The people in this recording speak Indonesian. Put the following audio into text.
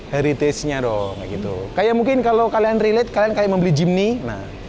heritage nya dong kayak gitu kayak mungkin kalau kalian relate kalian kayak membeli gymney nah